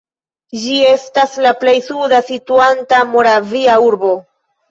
Ĝi estas la plej suda situanta moravia urbo.